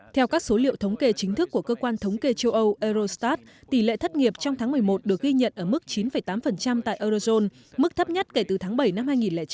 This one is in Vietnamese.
theo các số liệu thống kê chính thức của cơ quan thống kê châu âu eurostat tỷ lệ thất nghiệp trong tháng một mươi một được ghi nhận ở mức chín tám tại eurozone mức thấp nhất kể từ tháng bảy năm hai nghìn chín